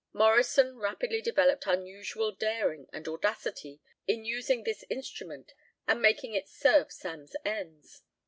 Morrison rapidly developed unusual daring and audacity in using this instrument and making it serve Sam's ends.